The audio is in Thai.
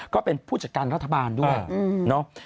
ก็เป็นผู้จัดการรัฐบาลด้วยเนาะ